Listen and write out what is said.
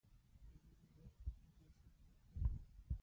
له دې بېځایه پوښتنو تېر شئ او خپل کار.